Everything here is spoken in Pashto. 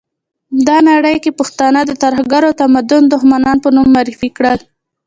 ده نړۍ کې پښتانه د ترهګرو او تمدن دښمنانو په نوم معرفي کړل.